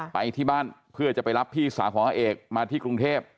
ไปที่บ้านเพื่อจะไปรับพี่สาวของอาเอกมาที่กรุงเทพ